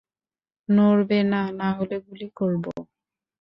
নড়বে না, নাহলে গুলি করব।